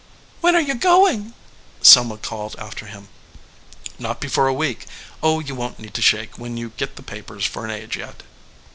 "When are you going?" Selma called after him. "Not before a week. Oh, you won t need to shake when you get the papers for an age yet."